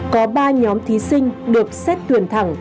có ba nhóm thí sinh được xét tuyển thẳng